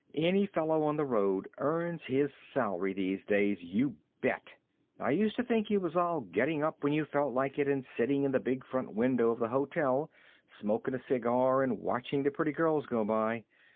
"Any fellow on the road earns his salary these days, you bet. I used to think it was all getting up when you felt like it, and sitting in the big front window of the hotel, smoking a cigar and watching the pretty girls go by.